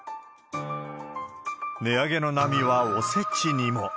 値上げの波はおせちにも。